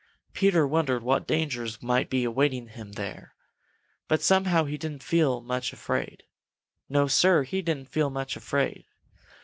Peter wondered what dangers might be awaiting him there, but somehow he didn't feel much afraid. No, Sir, he didn't feel much afraid.